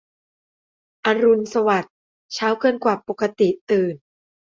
อรุณสวัสดิ์ เช้าเกินกว่าปกติตื่น